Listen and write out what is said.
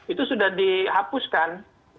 itu sudah dihapuskan